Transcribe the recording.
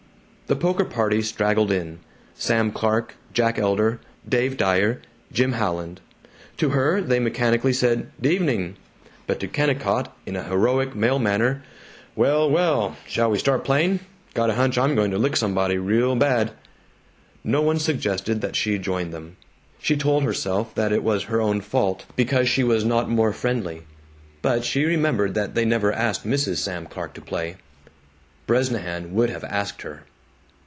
The poker party straggled in: Sam Clark, Jack Elder, Dave Dyer, Jim Howland. To her they mechanically said, "'Devenin'," but to Kennicott, in a heroic male manner, "Well, well, shall we start playing? Got a hunch I'm going to lick somebody real bad." No one suggested that she join them. She told herself that it was her own fault, because she was not more friendly; but she remembered that they never asked Mrs. Sam Clark to play. Bresnahan would have asked her.